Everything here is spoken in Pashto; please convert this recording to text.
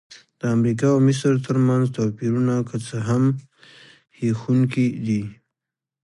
د امریکا او مصر ترمنځ توپیرونه که څه هم هیښوونکي دي.